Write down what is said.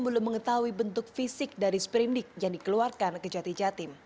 belum mengetahui bentuk fisik dari sprindik yang dikeluarkan ke jati jatim